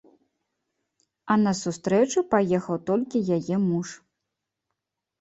А на сустрэчу паехаў толькі яе муж.